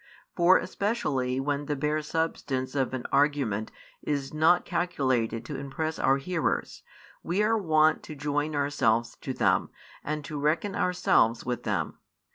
For, especially when the bare substance of an argument is not calculated to impress our hearers, we are wont to join ourselves to them, and to reckon ourselves with them.